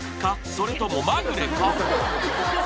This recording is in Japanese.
それともまぐれか？